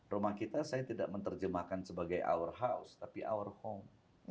rumah kita saya tidak menerjemahkan sebagai our house tapi our home